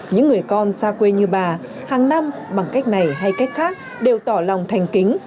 những người con xa quê như bà hàng năm bằng cách này hay cách khác đều tỏ lòng thành kính